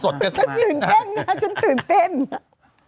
ฉันตื่นเต้นนะ